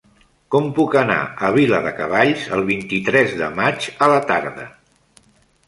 Com puc anar a Viladecavalls el vint-i-tres de maig a la tarda?